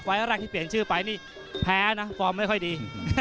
แรกที่เปลี่ยนชื่อไปนี่แพ้นะฟอร์มไม่ค่อยดี